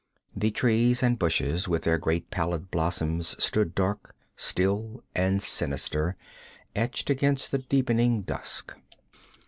The trees and bushes with their great pallid blossoms stood dark, still and sinister, etched against the deepening dusk.